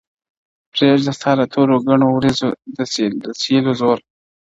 پرېږده ستا د تورو ګڼو وریځو د سیلیو زور-